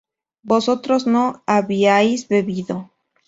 vosotros no habíais bebido